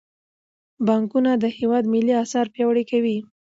بانکونه د هیواد ملي اسعار پیاوړي کوي.